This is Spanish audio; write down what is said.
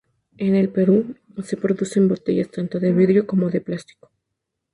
En el Perú, se produce en botellas tanto de vidrio como de plástico.